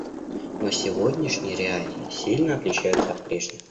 Но сегодняшние реалии сильно отличаются от прежних.